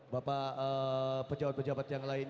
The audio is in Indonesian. bapak pejabat pejabat yang lain